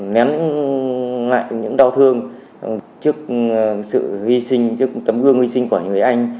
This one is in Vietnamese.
ném lại những đau thương trước sự vi sinh trước tấm gương vi sinh của người anh